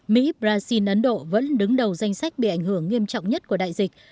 mỹ brazil ấn độ vẫn đứng đầu danh sách bị ảnh hưởng nghiêm trọng nhất của đại dịch